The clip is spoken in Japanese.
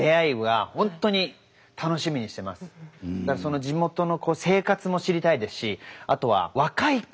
その地元の生活も知りたいですしあとは若い子。